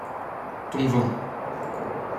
Ton vin.